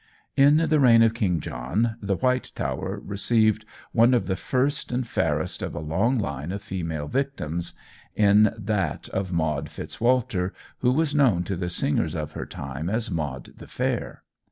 "In the reign of King John, the White Tower received one of the first and fairest of a long line of female victims, in that of Maud Fitz Walter, who was known to the singers of her time as Maud the Fair.